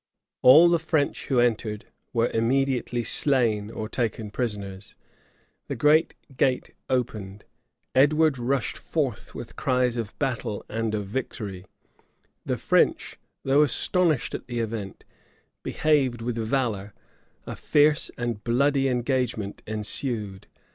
{1349.} All the French who entered were immediately slain or taken prisoners: the great gate opened: Edward rushed forth with cries of battle and of victory: the French, though astonished at the event, behaved with valor: a fierce and bloody engagement ensued.